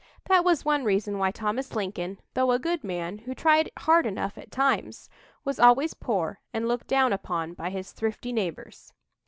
That was one reason why Thomas Lincoln, though a good man, who tried hard enough at times, was always poor and looked down upon by his thrifty neighbors.